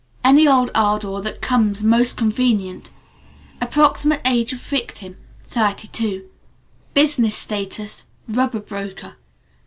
(Any old ardor that comes most convenient) Approximate age of victim: 32. Business status: rubber broker.